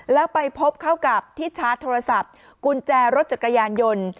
แล้วไปพบเข้ากับที่ชาร์จโทรศัพท์กุญแจรถจักรยานยนต์